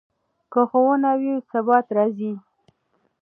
که ښوونه وي، ثبات راځي.